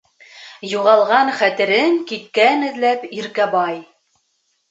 Юғалған Хәтерен киткән эҙләп Иркәбай.